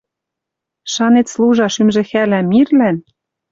Шанет, служа шӱмжы хӓлӓ мирлӓн